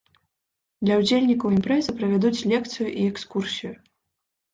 Для удзельнікаў імпрэзы правядуць лекцыю і экскурсію.